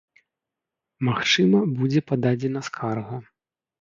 Магчыма, будзе пададзена скарга.